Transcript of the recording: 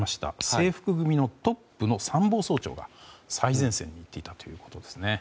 制服組トップの参謀総長が最前線に行っていたということです。